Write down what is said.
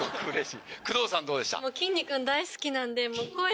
工藤さんどうでした？